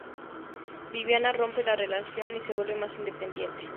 Viviana rompe la relación y se vuelve más independiente.